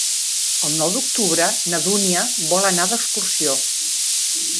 El nou d'octubre na Dúnia vol anar d'excursió.